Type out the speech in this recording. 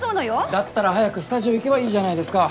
だったら早くスタジオ行けばいいじゃないですか。